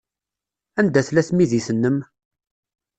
Anda tella tmidit-nnem?